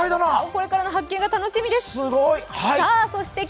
これからの発見が楽しみです。